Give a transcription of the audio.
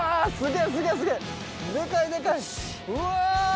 うわ！